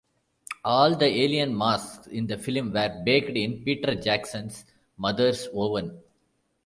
All the alien masks in the film were baked in Peter Jackson's mother's oven.